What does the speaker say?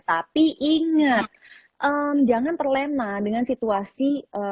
tapi ingat jangan terlena dengan situasi